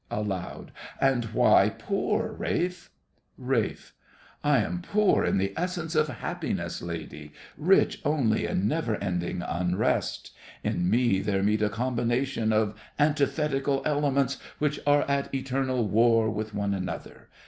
(Aloud) And why poor, Ralph? RALPH. I am poor in the essence of happiness, lady—rich only in never ending unrest. In me there meet a combination of antithetical elements which are at eternal war with one another.